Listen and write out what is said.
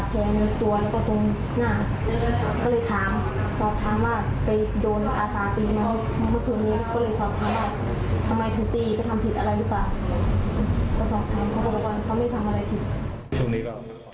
ก็สอบไปถามเหลือว่าเข้ามีทำอะไรผิด